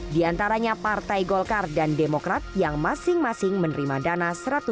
di antaranya partai golkar dan demokrat yang masing masing menerima dana